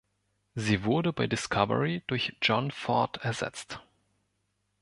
Sie wurde bei Discovery durch John Ford ersetzt.